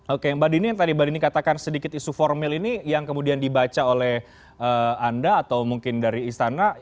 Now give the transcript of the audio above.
oke mbak dini yang tadi mbak dini katakan sedikit isu formil ini yang kemudian dibaca oleh anda atau mungkin dari istana